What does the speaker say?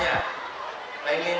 tak ada panggilan